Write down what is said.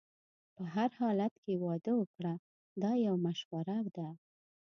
په هر حالت کې واده وکړه دا یو مشوره ده.